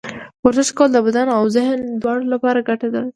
ورزش کول د بدن او ذهن دواړه لپاره ګټور دي.